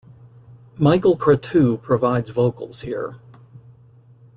Michael Cretu provides vocals here.